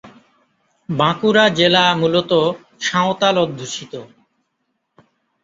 বাঁকুড়া জেলা মূলত সাঁওতাল অধ্যুষিত।